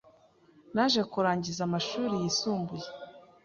Naje kurangiza amashuri yisumbuye